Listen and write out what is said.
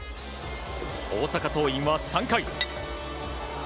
大阪桐蔭は３回。